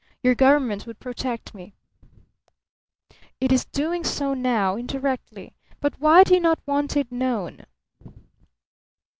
Your Government would protect me." "It is doing so now, indirectly. But why do you not want it known?"